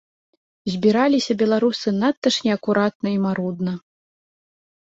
Збіраліся беларусы надта ж неакуратна і марудна.